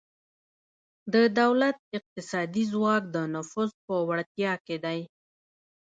د دولت اقتصادي ځواک د نفوذ په وړتیا کې دی